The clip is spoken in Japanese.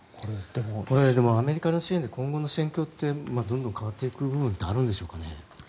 アメリカの支援で今後の戦況ってどんどん変わっていく部分ってあるんでしょうかね。